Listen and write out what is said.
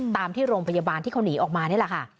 ตามที่โรงพยาบาลที่เขาหนีออกมานี่แหละค่ะ